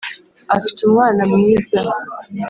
Afite umwana mwiza